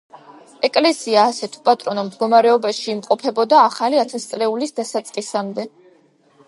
ეკლესია ასეთ, უპატრონო მდგომარეობაში იმყოფებოდა ახალი ათასწლეულის დასაწყისამდე.